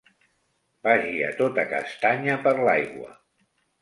Vagi a tota castanya per l'aigua.